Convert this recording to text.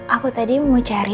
aku tadi mau cari